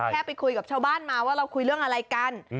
แค่ไปคุยกับชาวบ้านมาว่าเราคุยเรื่องอะไรกัน